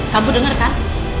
kamu denger kan